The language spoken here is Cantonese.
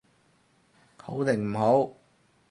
好定唔好？